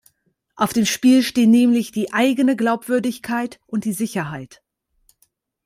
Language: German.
Auf dem Spiel stehen nämlich die eigene Glaubwürdigkeit und die Sicherheit.